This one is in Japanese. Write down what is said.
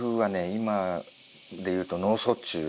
今でいうと脳卒中。